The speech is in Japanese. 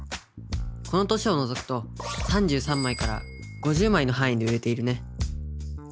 この年を除くと３３枚から５０枚のはんいで売れているね。